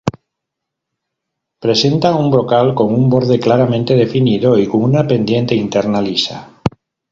Presenta un brocal con un borde claramente definido y con una pendiente interna lisa.